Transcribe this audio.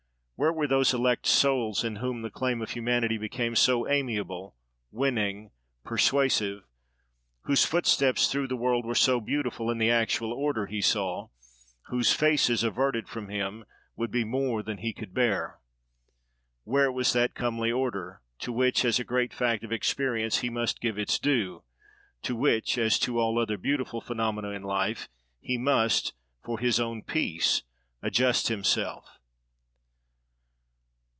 Where were those elect souls in whom the claim of Humanity became so amiable, winning, persuasive—whose footsteps through the world were so beautiful in the actual order he saw—whose faces averted from him, would be more than he could bear? Where was that comely order, to which as a great fact of experience he must give its due; to which, as to all other beautiful "phenomena" in life, he must, for his own peace, adjust himself?